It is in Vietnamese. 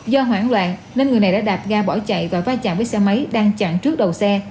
do hoảng loạn nên người này đã đạp ga bỏ chạy và va chạm với xe máy đang chặn trước đầu xe